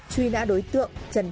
truy nã đối tượng